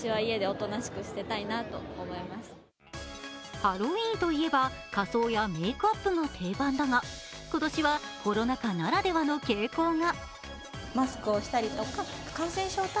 ハロウィーンといえば仮装やメークアップが定番だが今年はコロナ禍ならではの傾向が。